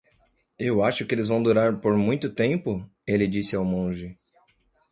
"Eu acho que eles vão durar por muito tempo?" ele disse ao monge.